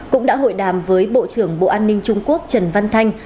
cũng đã hội đàm với bộ trưởng bộ an ninh trung quốc trần văn thanh